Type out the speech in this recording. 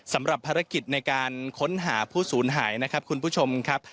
สำหรับภารกิจในการค้นหาผู้สูญหายนะครับคุณผู้ชมครับ